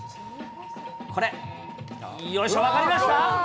これ、よいしょ、分かりました？